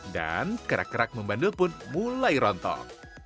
dan kerak kerak membandel pun mulai rontok